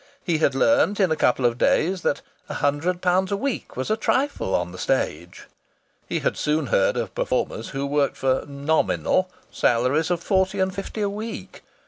He had learnt in a couple of days that a hundred pounds a week was a trifle on the stage. He had soon heard of performers who worked for "nominal" salaries of forty and fifty a week.